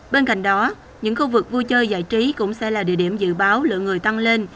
bên cạnh đó những khu vực vui chơi giải trí cũng sẽ là địa điểm dự báo lượng người tăng lên